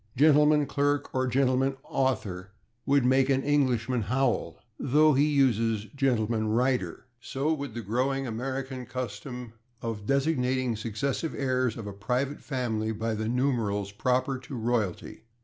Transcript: /Gentleman clerk/ or /gentleman author/ would make an Englishman howl, though he uses /gentleman rider/. So would the growing American custom of designating the successive heirs of a private family by the numerals proper to royalty.